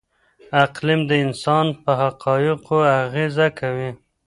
اقلیم د انسان په اخلاقو اغېزه کوي.